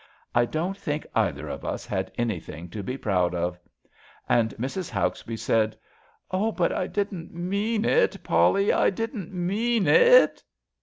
I don't think either of us had anything to be proud of." And Mrs. Hauksbee said: ^' Oh, but I didn't mean it, Polly, I didn't mean it!